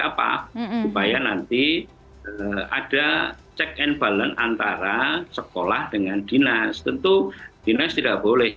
apa supaya nanti ada check and balance antara sekolah dengan dinas tentu dinas tidak boleh